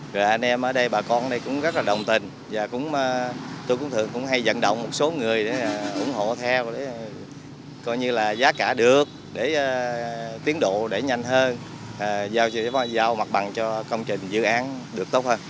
rồi anh em ở đây bà con ở đây cũng rất là đồng tình và tôi cũng thường hay dẫn động một số người để ủng hộ theo coi như là giá cả được để tiến độ để nhanh hơn giao mặt bằng cho công trình dự án được tốt hơn